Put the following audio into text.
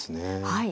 はい。